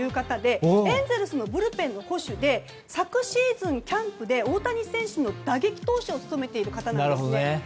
エンゼルスのブルペン捕手で昨シーズン、キャンプで大谷選手の打撃コーチを務めている方なんです。